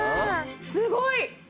すごい！